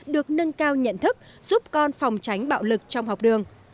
được nâng cao nhận thức giúp con phòng tránh bạo lực trong học đường